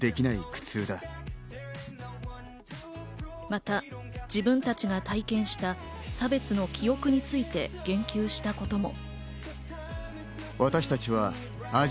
また自分たちが体験した差別の記憶について言及したことも。